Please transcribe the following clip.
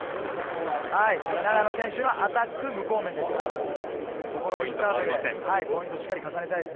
永野選手のアタック、無効面です。